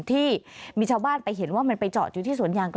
ที่มีชาวบ้านไปเห็นว่ามันไปจอดอยู่ที่สวนยาง